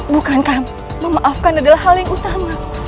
bukankah memaafkan adalah hal yang utama